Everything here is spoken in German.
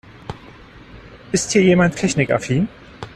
Ist hier jemand technikaffin?